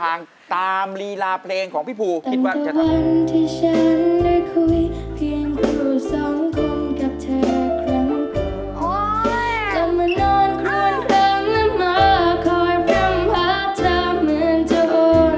ตั้งแต่วันที่ฉันได้คุยเพียงครูสองคนกับเธอค่อยจะมานอนคล้วนข้างหน้ามาขอเริ่มพักเธอเหมือนเธอโอน